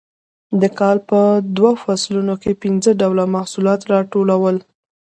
د کال په دوو فصلونو کې پنځه ډوله محصولات راټولول